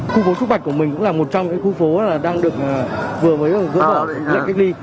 khu phố trúc bạch của mình cũng là một trong những khu phố đang được vừa mới gỡ bỏ lệnh cách ly